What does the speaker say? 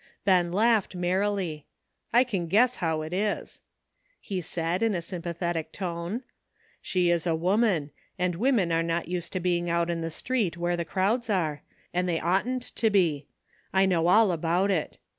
Ben laughed merrily. ''I can guess how it is," he said in a sympathetic tone. ''She is a woman, and women are not used to being out in the street where the crowds are, and they oughtn't to be. I know all about it.